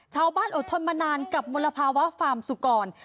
ชาวบ้านอดทนมานานกับมลภาวะฟาร์มสุขกร